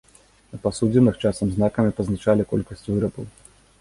На пасудзінах часам знакамі пазначалі колькасць вырабаў.